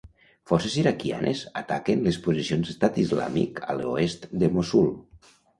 Forces iraquianes ataquen les posicions d'Estat Islàmic a l'oest de Mossul.